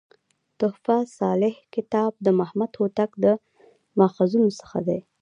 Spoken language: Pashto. "تحفه صالح کتاب" د محمد هوتک له ماخذونو څخه دﺉ.